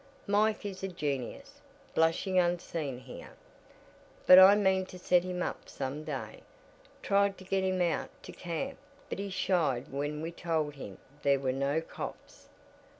Mike is a genius, blushing unseen here. But I mean to set him up some day. Tried to get him out to camp but he shied when we told him there were no 'cops.'